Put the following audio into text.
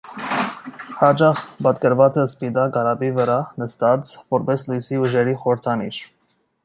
Հաճախ պատկերված է սպիտակ կարապի վրա նստած՝ որպես լույսի ուժերի խորհրդանիշ։